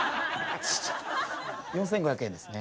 ４，５００円ですね。